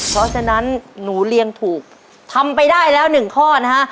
เพราะฉะนั้นหนูเรียงถูกทำไปได้แล้วหนึ่งข้อนะฮะ